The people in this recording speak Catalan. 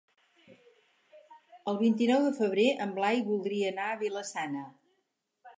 El vint-i-nou de febrer en Blai voldria anar a Vila-sana.